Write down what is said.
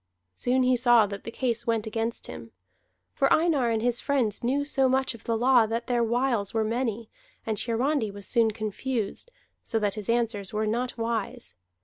Soon he saw that the case went against him. For Einar and his friends knew so much of the law that their wiles were many, and Hiarandi was soon confused, so that his answers were not wise.